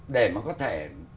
để mà có thể